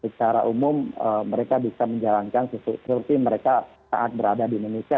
jadi secara umum mereka bisa menjalankan sesuatu seperti mereka saat berada di indonesia